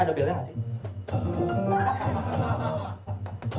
ada belnya gak sih